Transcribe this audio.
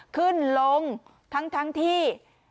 ขึ้นลงทั้งที่